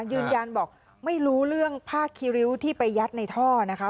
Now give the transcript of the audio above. ยืนยันบอกไม่รู้เรื่องผ้าคิริ้วที่ไปยัดในท่อนะคะ